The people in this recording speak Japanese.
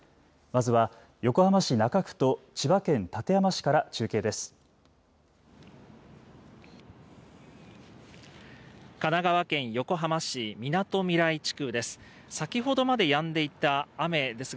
まずは横浜市中区と千葉県館山市から中継です。